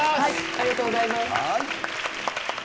ありがとうございます。